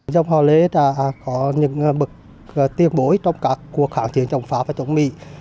trong hòa lễ có những bực tiên bối trong các cuộc kháng chiến chống pháp và chống mỹ